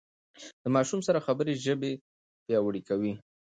د ماشوم سره خبرې ژبه پياوړې کوي.